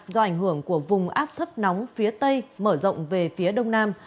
do ảnh hưởng của vùng áp thấp nóng phía tây mở rộng về phía đông nam